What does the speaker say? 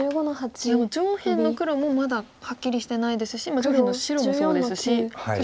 いやもう上辺の黒もまだはっきりしてないですし上辺の白もそうですし。